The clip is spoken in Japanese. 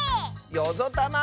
よぞたま！